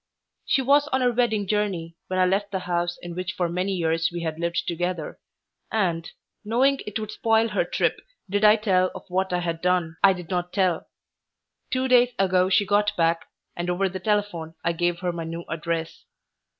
She was on her wedding journey when I left the house in which for many years we had lived together, and, knowing it would spoil her trip did I tell of what I had done, I did not tell. Two days ago she got back, and over the telephone I gave her my new address.